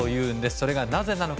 それがなぜなのか。